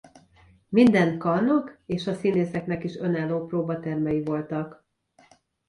Minden karnak és a színészeknek is önálló próbatermei voltak.